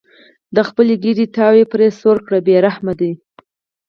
د خپلې ګېډې تاو یې پرې سوړ کړل بې رحمه دي.